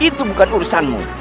itu bukan urusanmu